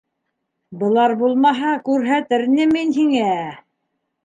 Былар булмаһа, күрһәтер инем мин һиңә!..